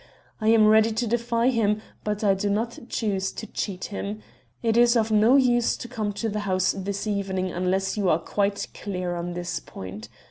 I am ready to defy him, but I do not choose to cheat him. It is of no use to come to the house this evening unless you are quite clear on this point.